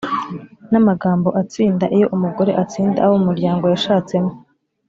n’amagambo atsinda iyo umugore atsinda abo mu muryango yashatsemo.